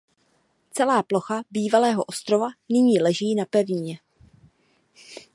Celá plocha bývalého ostrova nyní leží na pevnině.